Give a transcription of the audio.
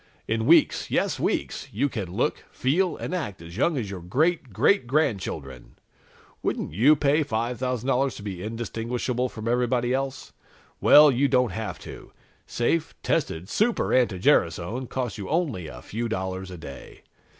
In weeks yes, weeks you can look, feel and act as young as your great great grandchildren! Wouldn't you pay $5,000 to be indistinguishable from everybody else? Well, you don't have to. Safe, tested Super anti gerasone costs you only a few dollars a day.